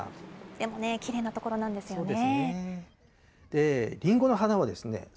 でもね、きれいな所なんですよね。